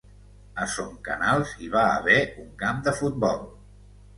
A son Canals hi va haver un camp de futbol.